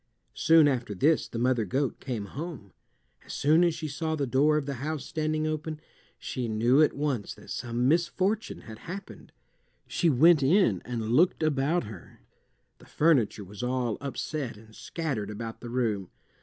Soon after this the mother goat came home. As soon as she saw the door of the house standing open, she knew at once that some misfortune had happened. She went in and looked about her. The furniture was all upset and scattered about the room.